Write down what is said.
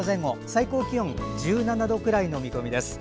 最高気温１７度くらいの見込みです。